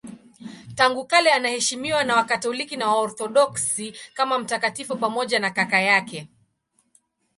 Tangu kale anaheshimiwa na Wakatoliki na Waorthodoksi kama mtakatifu pamoja na kaka yake.